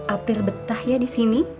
april betah ya disini